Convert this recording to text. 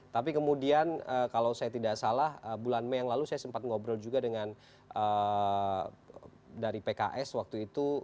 tapi kemudian kalau saya tidak salah bulan mei yang lalu saya sempat ngobrol juga dengan dari pks waktu itu